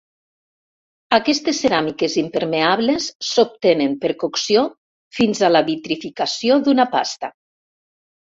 Aquestes ceràmiques impermeables s'obtenen per cocció fins a la vitrificació d'una pasta.